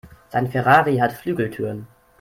Sein Ferrari hat Flügeltüren.